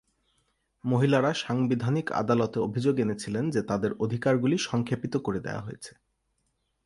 মহিলারা সাংবিধানিক আদালতে অভিযোগ এনেছিলেন যে তাদের অধিকার গুলি সংক্ষেপিত করে দেওয়া হয়েছে।